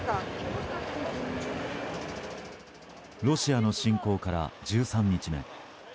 ロシアの侵攻から１３日目。